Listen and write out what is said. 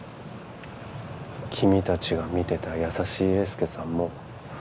「君たちが見てた優しい英介さんも」